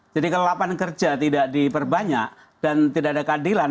jadi kalau latar kerja tidak diperbanyak dan tidak ada keadilan